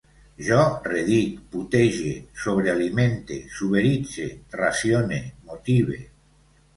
Jo redic, putege, sobrealimente, suberitze, racione, motive